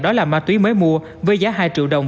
đó là ma túy mới mua với giá hai triệu đồng